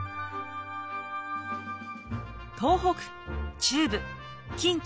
東北中部近畿